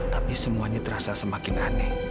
tapi semuanya terasa semakin aneh